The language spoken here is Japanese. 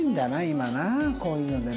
今なこういうのでな。